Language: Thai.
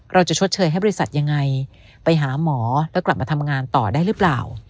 ชดเชยให้บริษัทยังไงไปหาหมอแล้วกลับมาทำงานต่อได้หรือเปล่า